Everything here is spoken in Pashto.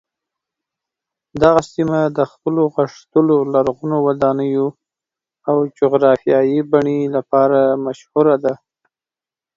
دغه سیمه د خپلو غښتلو لرغونو ودانیو او جغرافیايي بڼې لپاره مشهوره ده.